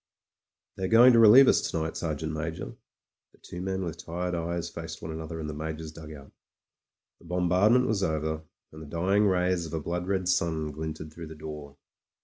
"They are going to relieve us to night, Sergeant Major.*' The two men with tired eyes faced one another in the Major's dugout The bombardment was over, and the dying rays of a blood red sun glinted through the door.